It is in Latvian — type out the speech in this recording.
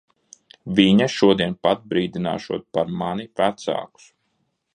Viņa šodien pat brīdināšot par mani vecākus.